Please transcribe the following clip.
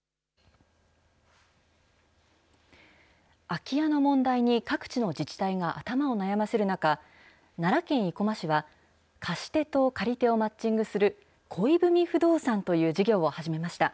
空き家の問題に各地の自治体が頭を悩ませる中、奈良県生駒市は、貸し手と借り手をマッチングする恋文不動産という事業を始めました。